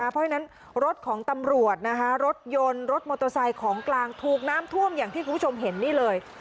เพราะฉะนั้นรถของตำรวจนะคะรถยนต์รถมอเตอร์ไซค์ของกลางถูกน้ำท่วมอย่างที่คุณผู้ชมเห็นนี่เลย